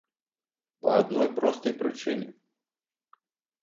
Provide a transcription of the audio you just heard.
Па адной простай прычыне.